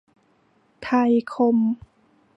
ไทยคม